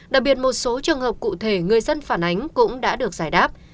đặc biệt một số trường hợp cụ thể người dân phản ánh cũng đã được giải đáp